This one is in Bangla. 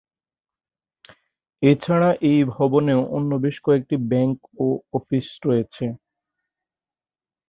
এছাড়া এই ভবনে অন্য বেশ কয়েকটি ব্যাংক ও অফিস রয়েছে।